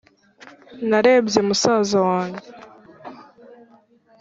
narebye musaza wanjye